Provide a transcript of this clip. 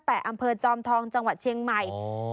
อำเภอจอมทองจังหวัดเชียงใหม่